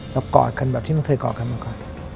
กอดกันแบบที่มันเคยกอดกันมาก่อน